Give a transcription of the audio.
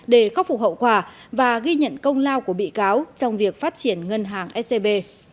để khắc phục hậu quả và ghi nhận công lao của bị cáo trong việc phát triển ngân hàng scb